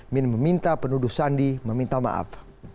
min meminta penuduh sandi meminta maaf